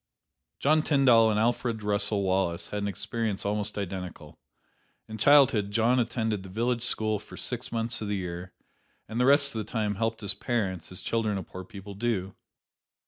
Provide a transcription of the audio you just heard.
John Tyndall and Alfred Russel Wallace had an experience almost identical. In childhood John attended the village school for six months of the year, and the rest of the time helped his parents, as children of poor people do.